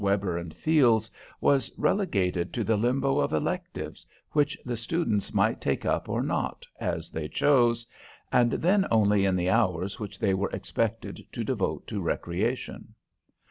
Weber & Fields, was relegated to the limbo of electives which the students might take up or not, as they chose, and then only in the hours which they were expected to devote to recreation.